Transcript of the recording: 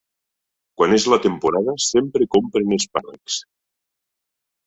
Quan és la temporada sempre compren espàrrecs.